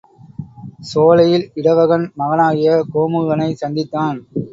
சோலையில் இடவகன் மகனாகிய கோமுகனைச் சந்தித்தான்.